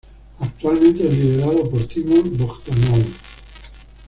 Actualmente es liderado por Timur Bogdanov.